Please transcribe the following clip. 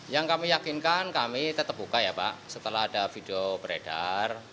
yang kami yakinkan kami tetap buka ya pak setelah ada video beredar